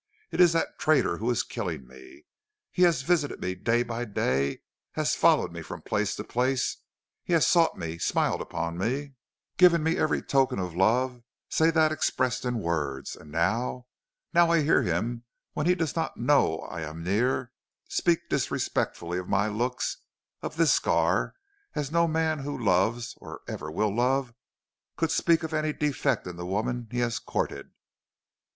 'It is that traitor who is killing me. He has visited me day by day, he has followed me from place to place; he has sought me, smiled upon me, given me every token of love save that expressed in words; and now, now I hear him, when he does not know I am near, speak disrespectfully of my looks, of this scar, as no man who loves, or ever will love, could speak of any defect in the woman he has courted.'